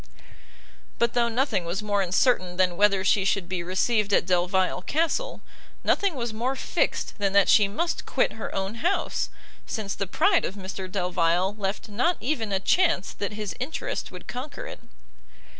But though nothing was more uncertain than whether she should be received at Delvile Castle, nothing was more fixed than that she must quit her own house, since the pride of Mr Delvile left not even a chance that his interest would conquer it.